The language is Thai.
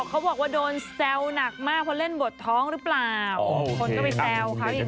เค้าบอกว่าโดนแซวหนักมากเพราะเล่นบทท้องหรือเปล่า